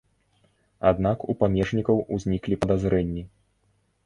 Аднак у памежнікаў узніклі падазрэнні.